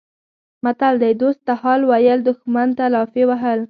متل دی: دوست ته حال ویل دښمن ته لافې وهل